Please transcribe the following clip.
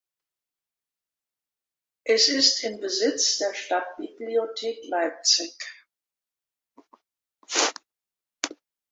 Es ist in Besitz der Stadtbibliothek Leipzig.